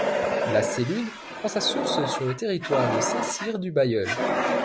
La Sélune prend sa source sur le territoire de Saint-Cyr-du-Bailleul.